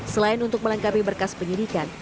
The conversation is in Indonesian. selain untuk melengkapi berkas penyidikan